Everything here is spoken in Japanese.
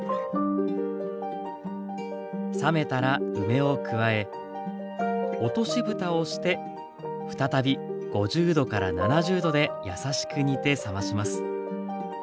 冷めたら梅を加え落としぶたをして再び５０７０℃で優しく煮て冷まします。